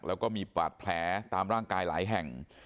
แล้วก็มีบาดแผลตามร่างกายหลายแห่ง